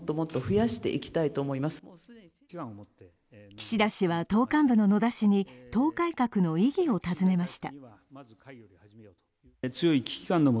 岸田氏は、党幹部の野田氏に党改革の意義を尋ねました。